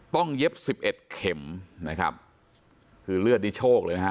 ต้องเย็บ๑๑เข็มนะครับคือเลือดดิโชคเลยนะฮะ